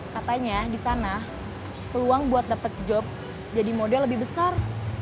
katanya di sana peluang buat dapet job jadi model lebih besar